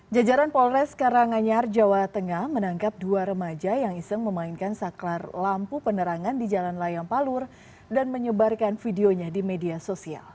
jajaran polres karanganyar jawa tengah menangkap dua remaja yang iseng memainkan saklar lampu penerangan di jalan layang palur dan menyebarkan videonya di media sosial